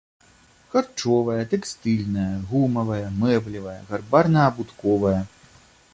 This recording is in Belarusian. Харчовая, тэкстыльная, гумавая, мэблевая, гарбарна-абутковая.